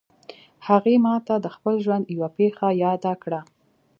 هغې ما ته د خپل ژوند یوه پېښه یاده کړه